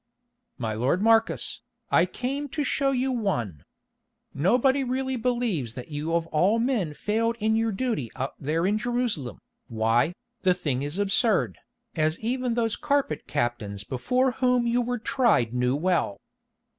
"My lord Marcus, I came to show you one. Nobody really believes that you of all men failed in your duty out there in Jerusalem. Why, the thing is absurd, as even those carpet captains before whom you were tried knew well.